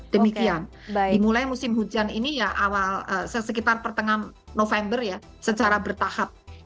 demikian dimulai musim hujan ini ya awal sekitar pertengahan november ya secara bertahap